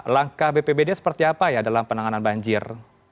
langkah bpbd seperti apa ya dalam penanganan banjir